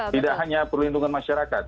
tidak hanya perlindungan masyarakat